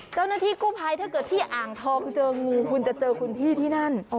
เจ้าหน้าที่กู้ภัยถ้าเกิดที่อ่างทองเจองูคุณจะเจอคุณพี่ที่นั่น